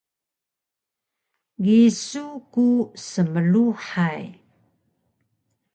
gisu ku smluhay